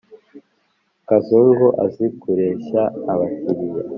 kazungu azi kureshya abakiriya